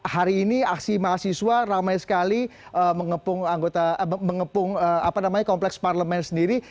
hari ini aksi mahasiswa ramai sekali mengepung kompleks parlemen sendiri